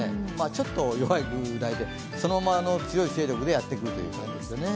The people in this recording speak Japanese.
ちょっと弱いぐらいでそのまま強い勢力でやってくるという感じですね。